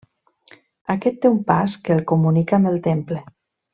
Aquest té un pas que el comunica amb el temple.